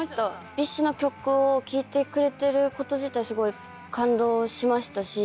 ＢｉＳＨの曲を聴いてくれてること自体すごい感動しましたし